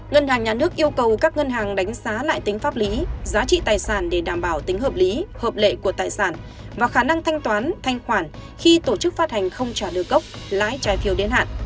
ngân hàng nhà nước yêu cầu các ngân hàng đánh giá lại tính pháp lý giá trị tài sản để đảm bảo tính hợp lý hợp lệ của tài sản và khả năng thanh toán thanh khoản khi tổ chức phát hành không trả được cốc lái trái phiếu đến hạn